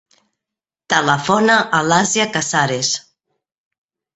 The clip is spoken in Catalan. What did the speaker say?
Telefona a l'Asia Casares.